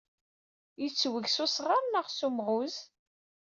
Yettweg s usɣar neɣ s umɣuz?